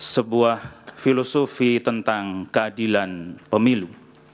sebuah filosofi tentang keadilan pemilu